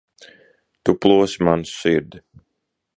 Tu plosi manu sirdi.